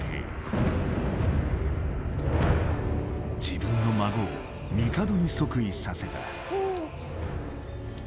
自分の孫を帝に即位させた。